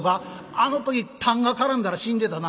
「あの時たんが絡んだら死んでたな」。